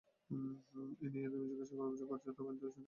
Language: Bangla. এই নিয়ে তুমি আমাকে অভিযোগ করছি না, তবে এতো চিন্তা করো না।